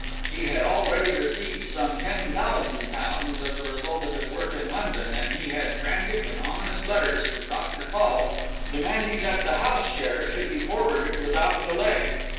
He had already received some ten thousand pounds as a result of his work in London, and he had frantic and ominous letters from Dr. Fall demanding that the "house" share should be forwarded without delay.